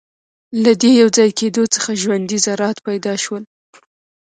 له دې یوځای کېدو څخه ژوندۍ ذرات پیدا شول.